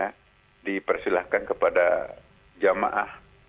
mungkin kita istirahatkan kepada jamaah